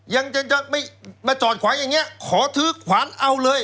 ยังจะไม่มาจอดขวางอย่างนี้ขอถือขวานเอาเลย